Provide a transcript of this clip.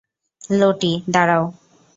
লটি, দাঁড়া!